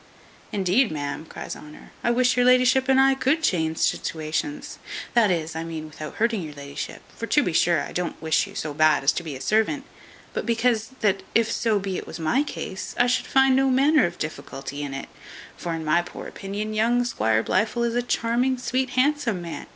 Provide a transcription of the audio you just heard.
"Indeed, ma'am," cries Honour, "I wish your la'ship and I could change situations; that is, I mean without hurting your la'ship; for to be sure I don't wish you so bad as to be a servant; but because that if so be it was my case, I should find no manner of difficulty in it; for, in my poor opinion, young Squire Blifil is a charming, sweet, handsome man."